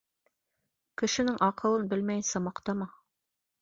Кешенең аҡылын белмәйенсә, маҡтама.